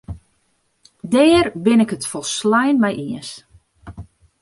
Dêr bin ik it folslein mei iens.